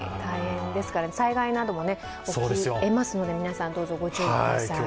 災害なども起きえますので皆さんどうぞご注意ください。